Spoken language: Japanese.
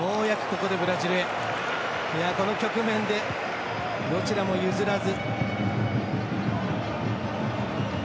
この局面でどちらも譲らず。